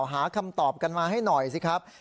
หาคำตอบกันมาให้หน่อยสิครับ